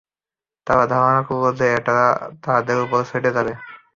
তারা ধারণা করল যে, এটা তাদের উপর পড়ে যাবে।